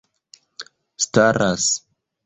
staras